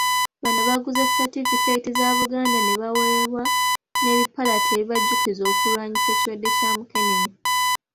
Bano baguze ssatifikeeti za Buganda ne baweebwa n'ebipalati ebibajjukiza okulwanyisa ekirwadde kya Mukenenya.